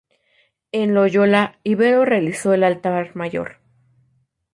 En Loyola, Ibero realizó el altar mayor.